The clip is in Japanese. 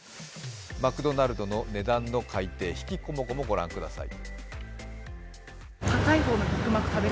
マクドナルドの値段の改定、悲喜こもごも、ご覧ください。